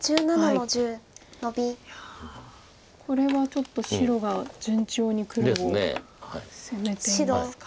いやこれはちょっと白が順調に黒を攻めていますか。